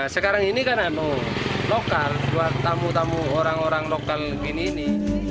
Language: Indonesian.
sekarang ini kan lokal buat tamu tamu orang orang lokal gini ini